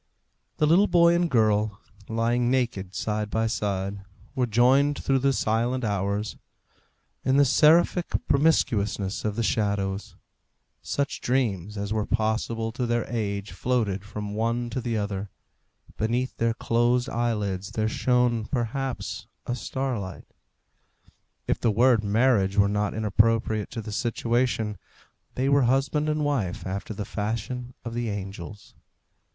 The little boy and girl, lying naked side by side, were joined through the silent hours, in the seraphic promiscuousness of the shadows; such dreams as were possible to their age floated from one to the other; beneath their closed eyelids there shone, perhaps, a starlight; if the word marriage were not inappropriate to the situation, they were husband and wife after the fashion of the angels.